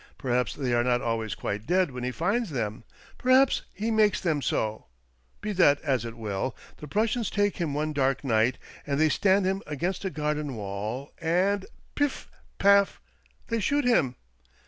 Perhaps they are not always quite dead when he finds them — perhaps he makes them so. Be that as it will, the Prussians take him one dark night ; and they stand him against a garden wall, and pif ! paf ! they shoot him.